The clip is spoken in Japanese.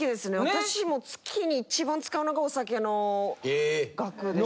私も月に一番使うのがお酒の額ですね。